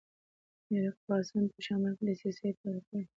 میرقاسم په شمال کې دسیسې پیل کړي.